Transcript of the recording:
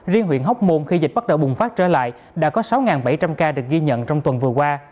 riêng huyện hóc môn khi dịch bắt đầu bùng phát trở lại đã có sáu bảy trăm linh ca được ghi nhận trong tuần vừa qua